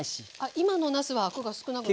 今のなすはアクが少なくなってる。